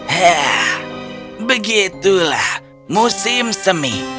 haaah begitulah musim semi